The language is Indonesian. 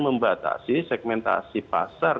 membatasi segmentasi pasar